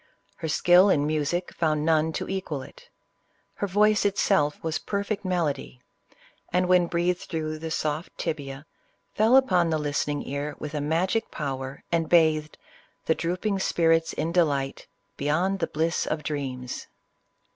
Her skill in music found none to equal it. Her voice itself was perfect melody, and when breathed through the soft tibia, fell upon the listening ear with a magic power, and bathed " The drooping spirits in delight Beyond the bliss of dreams."